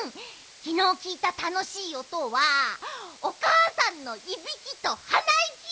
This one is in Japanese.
きのうきいたたのしいおとはおかあさんのいびきとはないき！